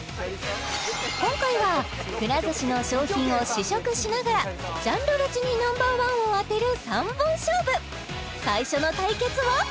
今回はくら寿司の商品を試食しながらジャンル別にＮｏ．１を当てる３本勝負最初の対決は？